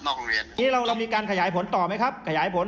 โรงเรียนนี้เรามีการขยายผลต่อไหมครับขยายผล